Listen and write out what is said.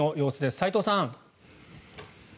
齋藤さん。